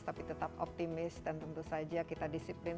tapi tetap optimis dan tentu saja kita disiplin